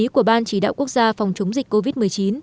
của ban chỉ đạo quốc gia phòng chống dịch covid một mươi chín